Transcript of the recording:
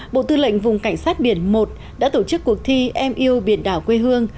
bộ tư lệnh vùng cảnh sát biển một đã tổ chức cuộc thi em yêu biển đảo quê hương